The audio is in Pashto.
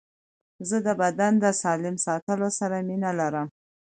زه د بدن د سالم ساتلو سره مینه لرم.